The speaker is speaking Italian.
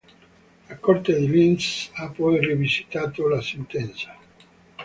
La corte di Linz ha poi rivisitato la sentenza.